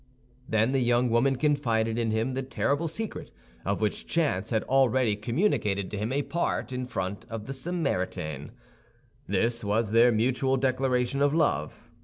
Then the young woman confided in him the terrible secret of which chance had already communicated to him a part in front of the Samaritaine. This was their mutual declaration of love.